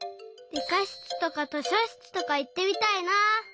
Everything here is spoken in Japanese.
りかしつとかとしょしつとかいってみたいな。